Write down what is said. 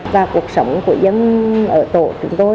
và cuộc sống của dân ở tổ chúng tôi